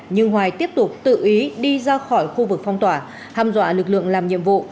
nhưng hoài tiếp tục tự ý đi ra khỏi khu vực phong tỏa ham dọa lực lượng làm nhiệm vụ